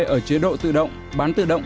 ở chế độ tự động bán tự động